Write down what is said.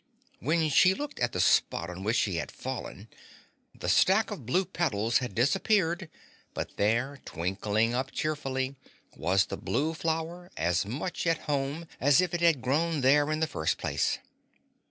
When she looked at the spot on which she had fallen the stack of blue petals had disappeared, but there, twinkling up cheerfully, was the blue flower as much at home as if it had grown there in the first place.